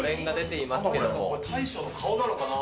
これ、大将の顔なのかな。